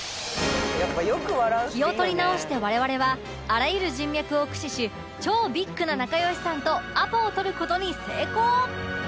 気を取り直して我々はあらゆる人脈を駆使し超ビッグな仲良しさんとアポを取る事に成功